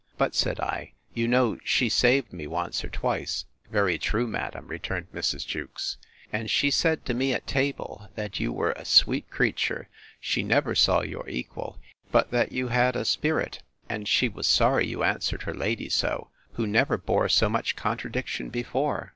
But, said I, you know she saved me once or twice. Very true, madam, returned Mrs. Jewkes. And she said to me at table, that you were a sweet creature; she never saw your equal; but that you had a spirit; and she was sorry you answered her lady so, who never bore so much contradiction before.